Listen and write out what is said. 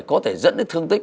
có thể dẫn đến thương tích